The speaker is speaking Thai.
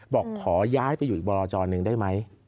บอกขอย้ายไปอยู่อีกบรจรหนึ่งได้ไหม